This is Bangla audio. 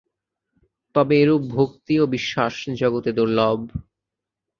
তবে এরূপ ভক্তি ও বিশ্বাস জগতে দুর্লভ।